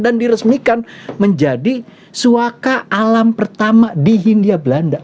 dan diresmikan menjadi suaka alam pertama di hindia belanda